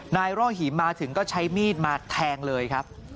ร่อหิมมาถึงก็ใช้มีดมาแทงเลยครับ